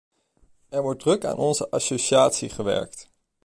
Er wordt druk aan onze associatie gewerkt.